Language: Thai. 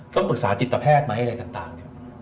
ต้องปรึกษาจิตแพทย์ไหมอะไรต่างเนี่ย